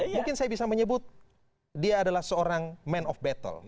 mungkin saya bisa menyebut dia adalah seorang man of battle